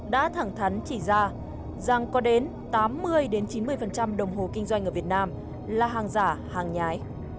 đã thẳng thắn chỉ ra rằng có đến tám mươi chín mươi đồng hồ kinh doanh ở việt nam là hàng giả hàng nhái